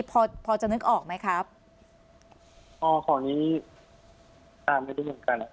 พอพอจะนึกออกไหมครับอ๋อของนี้ตามไม่รู้เหมือนกันอ่ะ